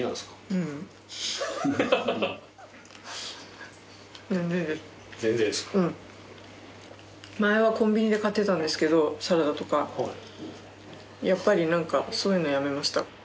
ううん全然です全然ですか前はコンビニで買ってたんですけどサラダとかやっぱり何かそういうのやめました